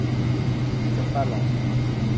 Cafalang.